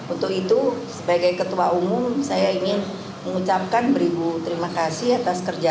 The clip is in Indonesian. untuk itu sebagai ketua umum saya ingin mengucapkan beribu terima kasih atas kerja